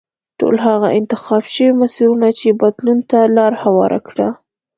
ټول هغه انتخاب شوي مسیرونه چې بدلون ته لار هواره کړه.